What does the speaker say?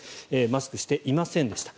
マスクをしていませんでした。